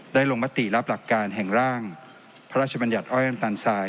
ลงมติรับหลักการแห่งร่างพระราชบัญญัติอ้อยน้ำตาลทราย